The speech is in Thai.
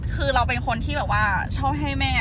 คือเราเป็นคนที่แบบว่าชอบให้แม่